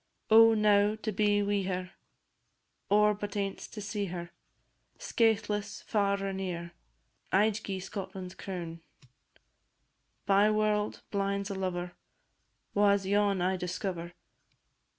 Oh, now to be wi' her! Or but ance to see her Skaithless, far or near, I 'd gie Scotland's crown. Byeword, blind 's a lover Wha 's yon I discover?